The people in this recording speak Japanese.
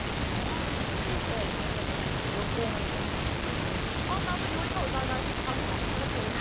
そしてメンバーたちと旅行も行ってみたいし。